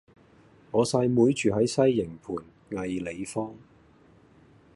我細妹住喺西營盤藝里坊